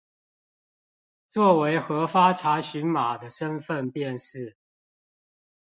作為核發查詢碼的身分辨識